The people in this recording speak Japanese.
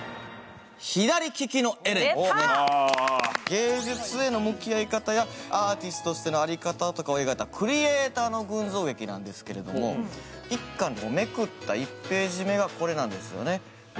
芸術への向き合い方やアーティストとしての在り方を描いたクリエイターの群像劇なんですけど１巻のめくった１ページ目がこれなんですよね。